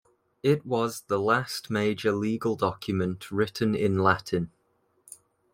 It was the last major legal document written in Latin.